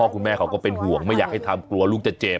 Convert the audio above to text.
คุณแม่เขาก็เป็นห่วงไม่อยากให้ทำกลัวลูกจะเจ็บ